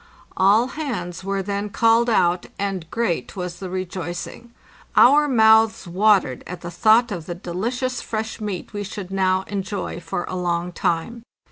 All hands were then called out, and great was the rejoicing. Our mouths watered at the thought of the delicious fresh meat we should now enjoy for a long time.